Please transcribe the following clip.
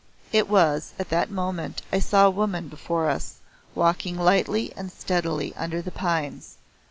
It was at that moment I saw a woman before us walking lightly and steadily under the pines.